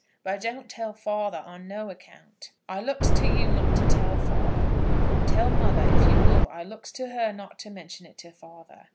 But don't tell father, on no account. I looks to you not to tell father. Tell mother, if you will; but I looks to her not to mention it to father.